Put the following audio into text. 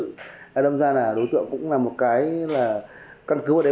thì đồng ra là đối tượng cũng là một cái là căn cứ ở đấy